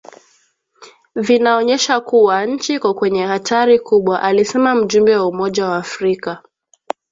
vinaonyesha kuwa nchi iko kwenye hatari kubwa alisema mjumbe wa Umoja wa Afrika